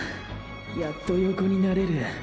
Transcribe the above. やっと横になれる。